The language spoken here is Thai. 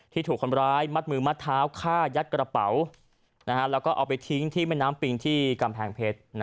ถูกคนร้ายมัดมือมัดเท้าฆ่ายัดกระเป๋าแล้วก็เอาไปทิ้งที่แม่น้ำปิงที่กำแพงเพชร